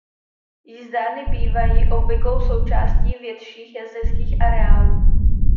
Jízdárny bývají obvyklou součástí větších jezdeckých areálů.